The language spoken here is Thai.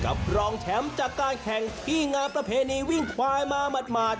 รองแชมป์จากการแข่งที่งานประเพณีวิ่งควายมาหมาด